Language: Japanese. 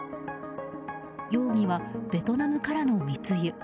容疑はベトナムからの密輸。